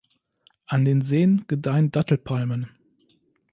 An den Seen gedeihen Dattelpalmen.